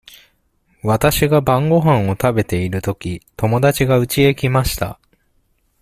わたしが晩ごはんを食べているとき、友だちがうちへ来ました。